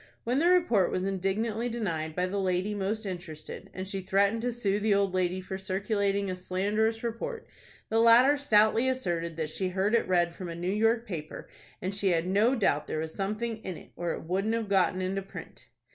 When the report was indignantly denied by the lady most interested, and she threatened to sue the old lady for circulating a slanderous report, the latter stoutly asserted that she heard it read from a New York paper, and she had no doubt there was something in it, or it wouldn't have got into print.